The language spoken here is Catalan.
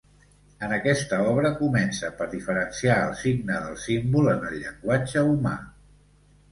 En aquesta obra comença per diferenciar el signe del símbol en el llenguatge humà.